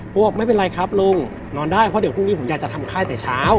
ผมบอกไม่เป็นไรครับลุงนอนได้เพราะเดี๋ยวพรุ่งนี้ผมอยากจะทำค่ายแต่เช้า